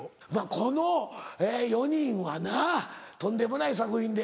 この４人はなとんでもない作品で。